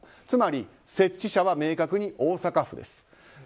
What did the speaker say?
つまり、設置者は明確に大阪府です。